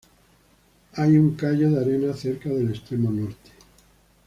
Hay un cayo de arena cerca del extremo norte.